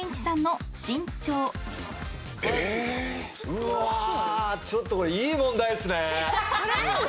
うわちょっとこれいい問題っすね。